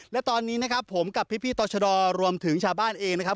และตอนนี้นะครับผมกับพี่ต่อชะดอรวมถึงชาวบ้านเองนะครับ